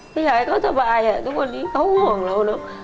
ประหายเขาสบายทุกวันนี้เขาหวังเรา